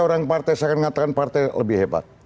orang partai saya akan mengatakan partai lebih hebat